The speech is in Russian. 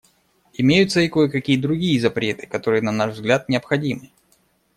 Имеются и кое-какие другие запреты, которые, на наш взгляд, необходимы.